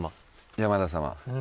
山田様。